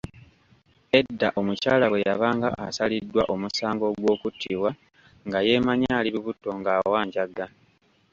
Edda omukyala bwe yabanga asaliddwa omusango ogw'okuttibwa nga yeemanyi ali lubuto ng'awanjaga.